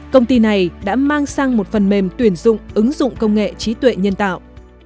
công ty này đã mang sang một phần mềm tuyển dụng ứng dụng công nghệ trí tuệ nhân tạo